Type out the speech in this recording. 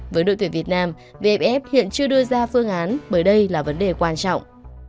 với đội tuyển việt nam vff hiện chưa đưa ra phương án bởi đây là vấn đề quan trọng